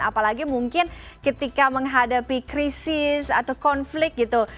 apalagi mungkin ketika menghadapi krisis atau konflik gitu